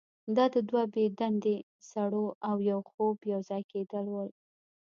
دا د دوه بې دندې سړو او یو خوب یوځای کیدل وو